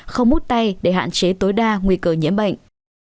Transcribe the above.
không mút tay để hạn chế tối đa nguy cơ nhiễm bệnh